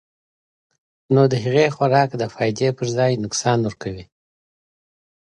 نو د هغې خوراک د فائدې پۀ ځائے نقصان ورکوي -